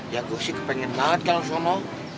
ya gue sih kepengen banget kan lo sono